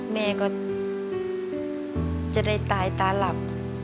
แม่ก็จะได้ตายตาหลับ